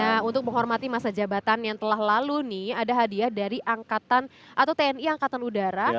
nah untuk menghormati masa jabatan yang telah lalu nih ada hadiah dari angkatan atau tni angkatan udara